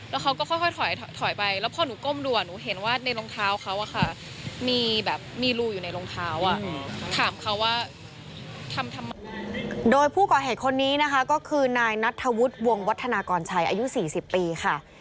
โดยผู้ก่อเหตุคนนี้นะคะก็คือนายนัทธวุธวงวัฒนากรชัยอายุ๔๐ปีค่ะ